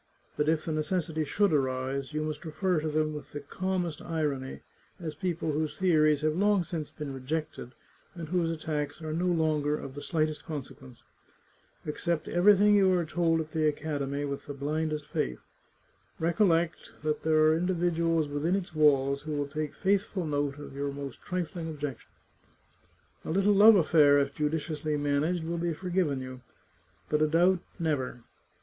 But if the necessity should arise, you must refer to them with the calmest irony, as people whose theories have long since been rejected, and whose attacks are no longer of the slightest consequence. Accept everything you are told at the academy with the blindest faith. Recollect that there are individuals within its walls who will take faithful note of your most trifling objections. A little love afTair, if ju diciously managed, will be forgiven you, but a doubt, never